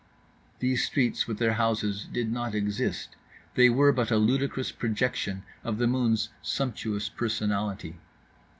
These streets with their houses did not exist, they were but a ludicrous projection of the moon's sumptuous personality.